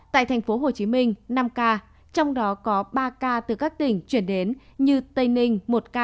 tại thành phố hồ chí minh năm ca trong đó có ba ca từ các tỉnh chuyển đến như tây ninh một ca